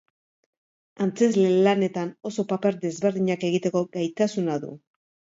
Antzezle lanetan, oso paper desberdinak egiteko gaitasuna du.